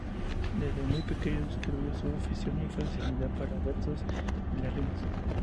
Desde muy pequeño descubrió su afición y facilidad para los versos y las rimas.